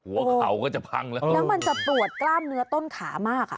หัวเข่าก็จะพังแล้วแล้วมันจะปวดกล้ามเนื้อต้นขามากอ่ะ